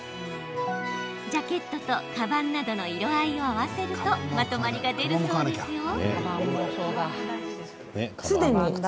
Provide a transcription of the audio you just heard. ジャケットと、かばんなどの色合いを合わせるとまとまりが出るそうですよ。